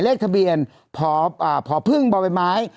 เลือกทะเบียนพออ่าพอพึ่งบ้าวยไม้ห้าหก